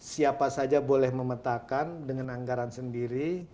siapa saja boleh memetakan dengan anggaran sendiri